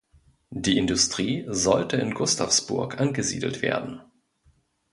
Die Industrie sollte in Gustavsburg angesiedelt werden.